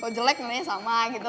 kalo jelek nanya sama gitu